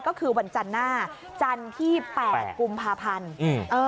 ก็คือวันจันทร์หน้าจันทร์ที่๘กลุ่มพาพันธุ์